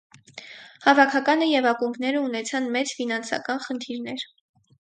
Հավաքականը և ակումբները ունեցան մեծ ֆինանսական խնդիրներ։